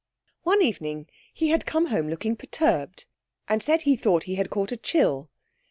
One evening he had come home looking perturbed, and said he thought he had caught a chill.